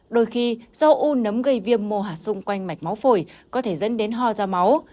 đôi khi do u nấm gây viêm mô hạ xung quanh mạch máu phổi có thể dẫn đến ho ra máu